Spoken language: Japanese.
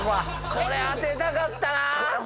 これ当てたかったな。